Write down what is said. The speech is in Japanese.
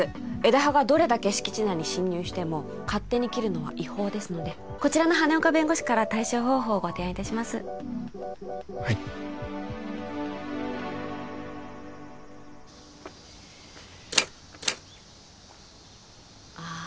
枝葉がどれだけ敷地内に侵入しても勝手に切るのは違法ですのでこちらの羽根岡弁護士から対処方法をご提案いたしますはいああ